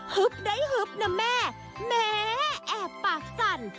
ได้ฮึบนะแม่แม้แอบปากสั่น